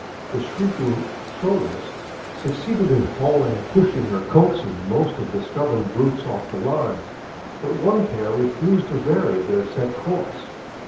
The shrieking cholos suc ceeded in hauling, pushing, or coaxing most of the stubborn brutes off the line, but one pair refused to vary their set course.